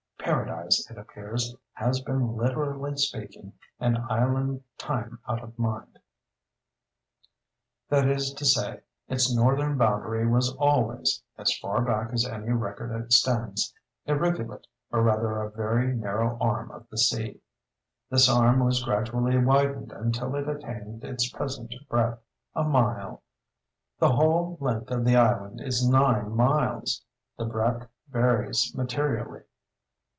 Paradise, it appears, has been, literally speaking, an island time out of mind—that is to say, its northern boundary was always (as far back as any record extends) a rivulet, or rather a very narrow arm of the sea. This arm was gradually widened until it attained its present breadth—a mile. The whole length of the island is nine miles; the breadth varies materially.